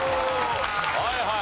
はいはい。